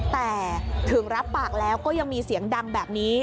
แต่ถึงรับปากแล้วก็ยังมีเสียงดังแบบนี้